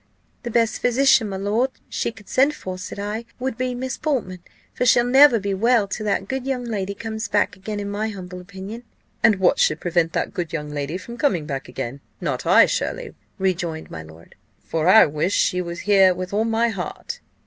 'The best physician, my lord, she could send for,' said I, 'would be Miss Portman; for she'll never be well till that good young lady comes back again, in my humble opinion.' "'And what should prevent that good young lady from coming back again? Not I, surely,' rejoined my lord, 'for I wish she were here with all my heart.